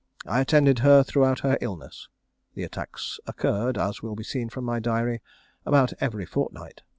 I attended her throughout her illness. The attacks occurred, as will be seen from my diary, about every fortnight.